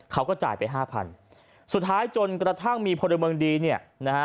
เขาก็จ่ายไปห้าพันสุดท้ายจนกระทั่งมีพลเมืองดีเนี่ยนะฮะ